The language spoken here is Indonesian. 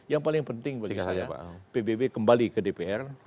yang paling penting bagi saya pak pbb kembali ke dpr